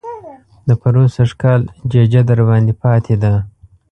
د پروسږ کال ججه درباندې پاتې ده.